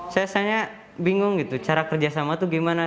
saya asalnya bingung gitu cara kerja sama tuh gimana